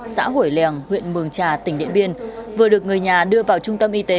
xã hủy lèng huyện mường trà tỉnh điện biên vừa được người nhà đưa vào trung tâm y tế